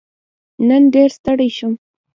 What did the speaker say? نن ډېر ستړی شوم